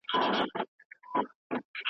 که مهارتونه نه وي توليد نشي زياتېدلی.